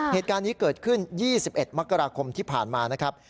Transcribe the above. เหตุการณ์นี้เกิดขึ้น๒๑มกราคมที่ผ่านมานะครับ